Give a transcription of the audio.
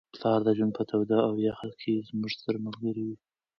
پلار د ژوند په توده او یخه کي زموږ سره ملګری وي.